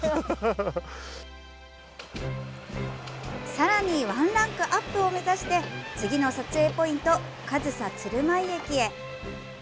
さらにワンランクアップを目指して次の撮影ポイント、上総鶴舞駅へ。